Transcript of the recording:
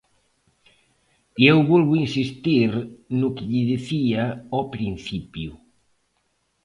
E eu volvo insistir no que lle dicía ao principio.